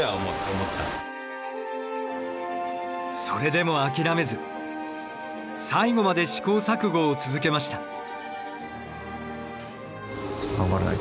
それでも諦めず最後まで試行錯誤を続けました。